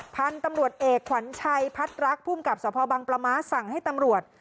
พันธุ์ตำรวจเอกขวัญชัยพัดรักภูมิกับสภบังปลาม้าสั่งให้ตำรวจ